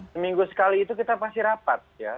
seminggu sekali itu kita pasti rapat ya